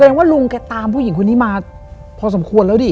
ว่าลุงแกตามผู้หญิงคนนี้มาพอสมควรแล้วดิ